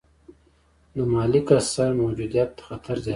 د مالي کسر موجودیت خطر زیاتوي.